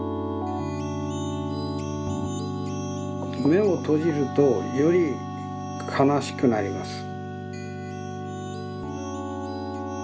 めをとじるとよりかなしくなります。